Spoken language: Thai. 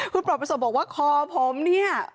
คุณปลดประสบบอกว่าคอผมเนี่ย